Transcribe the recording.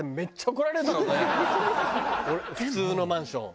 普通のマンション。